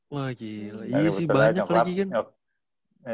wah gila sih banyak lagi kan